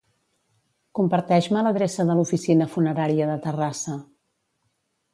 Comparteix-me l'adreça de l'oficina funerària de Terrassa.